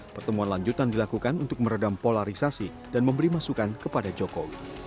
pertemuan lanjutan dilakukan untuk meredam polarisasi dan memberi masukan kepada jokowi